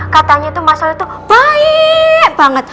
katanya tuh mas al itu baik banget